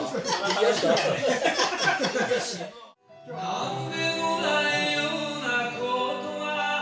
「何でもないような事が」